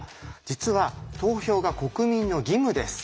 実は投票が国民の義務です。